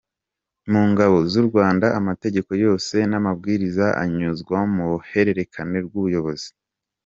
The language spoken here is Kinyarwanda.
Mu Ngabo z’u Rwanda, amategeko yose n’amabwiriza anyuzwa mu ruhererekane rw’ubuyobozi.